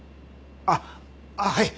あっはい。